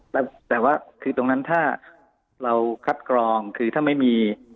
เชิญค่ะแต่ว่าคือตรงนั้นเราคัดกรองคือถ้าไม่มี